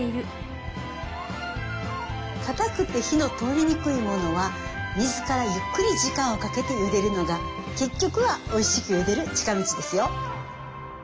かたくて火の通りにくいものは水からゆっくり時間をかけてゆでるのが結局はおいしくゆでる近道ですよ。